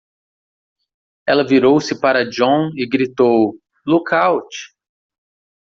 Ela virou-se para John e gritou? "Look Out!"